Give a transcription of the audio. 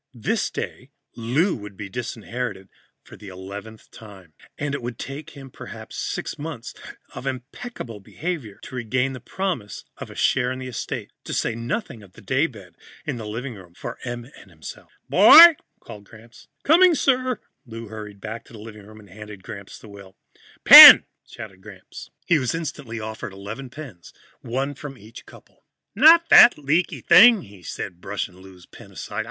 This day, Lou would be disinherited for the eleventh time, and it would take him perhaps six months of impeccable behavior to regain the promise of a share in the estate. To say nothing of the daybed in the living room for Em and himself. "Boy!" called Gramps. "Coming, sir." Lou hurried back into the living room and handed Gramps the will. "Pen!" said Gramps. He was instantly offered eleven pens, one from each couple. "Not that leaky thing," he said, brushing Lou's pen aside.